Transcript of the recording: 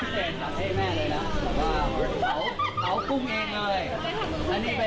จัดให้แม่เลยนะว่าเขาคุ้งเองนะ